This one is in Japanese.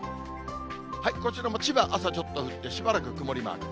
こちらも千葉、朝ちょっと降って、しばらく曇りマーク。